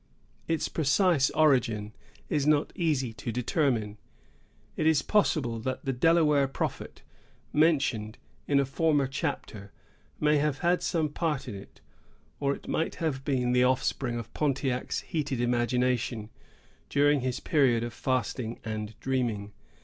Its precise origin is not easy to determine. It is possible that the Delaware prophet, mentioned in a former chapter, may have had some part in it; or it might have been the offspring of Pontiac's heated imagination, during his period of fasting and dreaming.